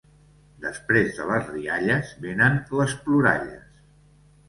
Després de les rialles venen les ploralles.